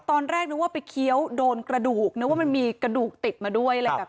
ตอนแรกนึกว่าไปเคี้ยวโดนกระดูกนึกว่ามันมีกระดูกติดมาด้วยอะไรแบบนี้